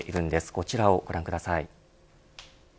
こちらをご覧ください。